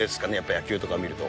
野球とか見ると。